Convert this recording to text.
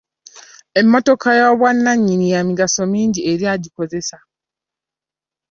Emmotoka ey'obwannanyini ya migaso mingi eri agikozesa .